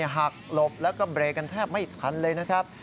หักหลบแล้วก็เบรกกันแทบไม่ทันเลยนะครับ